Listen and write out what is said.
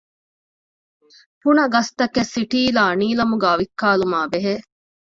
ފުނަގަސްތަކެއް ސިޓީލާ ނީލަމުގައި ވިއްކާލުމާއިބެހޭ